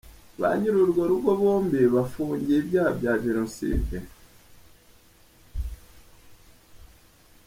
Banyiri urwo rugo bombi bafungiye ibyaha bya Jenoside.